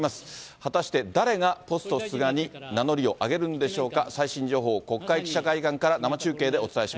果たして誰がポスト菅に名乗りを上げるんでしょうか。